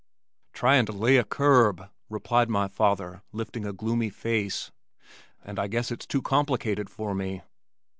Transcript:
"Tryin' to lay a curb," replied my father lifting a gloomy face, "and I guess it's too complicated for me."